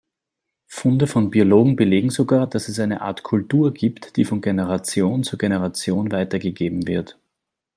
Funde von Biologen belegen sogar, dass es eine Art Kultur gibt, die von Generation zu Generation weitergegeben wird.